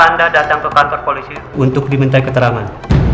anda datang ke kantor polisi untuk dimintai keterangan